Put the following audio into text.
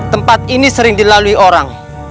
tempat ini sering dilalui orang